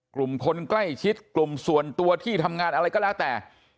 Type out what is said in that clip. กลุ่มคนใกล้ชิดกลุ่มส่วนตัวที่ทำงานอะไรก็แล้วแต่